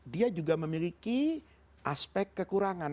dia juga memiliki aspek kekurangan